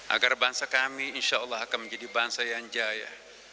agar bangsa kami insya allah akan menjadi bangsa yang jaya